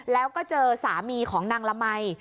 แล้วก็เจอสามีของนางละมัย